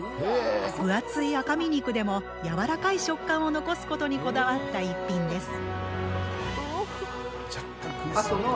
分厚い赤身肉でもやわらかい食感を残すことにこだわった逸品です。